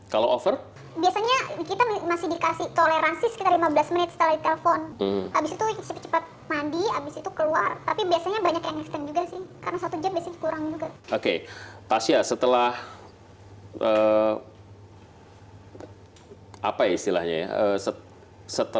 kalau over biasanya kita masih dikasih toleransi sekitar lima belas menit setelah telepon habis itu cepat cepat